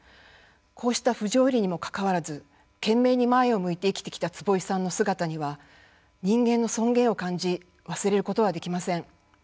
こうした不条理にもかかわらず懸命に前を向いて生きてきた坪井さんの姿には人間の尊厳を感じ忘れることはできません。